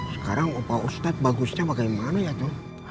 sekarang pak ustadz bagusnya bagaimana ya tuh